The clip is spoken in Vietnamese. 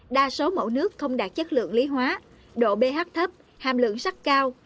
đa số mẫu nước không đạt chất lượng lý hóa độ ph thấp hàm lượng sắt cao